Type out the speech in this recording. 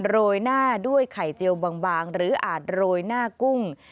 โรยหน้าด้วยไข่เจียวบางหรืออาจโรยหน้ากุ้ง